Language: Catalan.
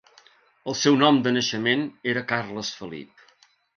El seu nom de naixement era Carles Felip.